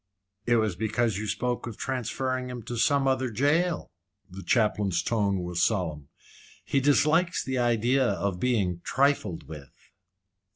"It was because you spoke of transferring him to some other jail." The chaplain's tone was solemn. "He dislikes the idea of being trifled with."